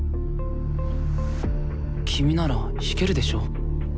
君なら弾けるでしょ。